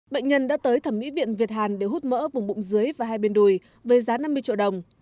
bệnh nhân đã tới thẩm mỹ viện việt hàn để hút mỡ vùng bụng dưới và hai bên đùi với giá năm mươi triệu đồng